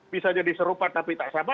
bisa jadi serupa tapi tak sama